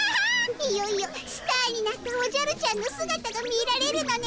いよいよスターになったおじゃるちゃんのすがたが見られるのね。